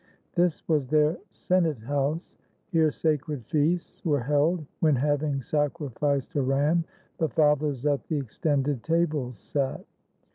This was their senate house; here sacred feasts Were held, when, having sacrificed a ram, The fathers at the extended tables sat.